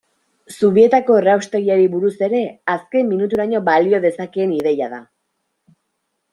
Zubietako erraustegiari buruz ere, azken minuturaino balio dezakeen ideia da.